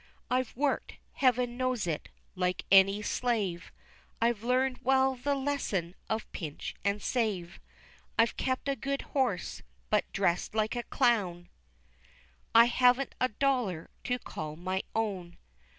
I've worked, heaven knows it, like any slave, I've learned well the lesson of pinch and save, I've kept a good horse, but dressed like a clown I haven't a dollar to call my own.